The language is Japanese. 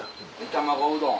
卵うどん。